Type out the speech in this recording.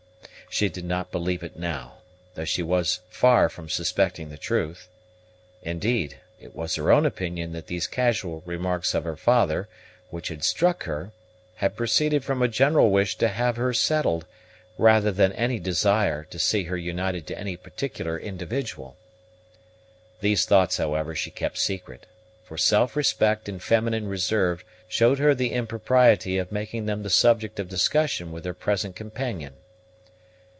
She did not believe it now, though she was far from suspecting the truth. Indeed, it was her own opinion that these casual remarks of her father, which had struck her, had proceeded from a general wish to have her settled, rather than from any desire to see her united to any particular individual. These thoughts, however, she kept secret; for self respect and feminine reserve showed her the impropriety of making them the subject of discussion with her present companion.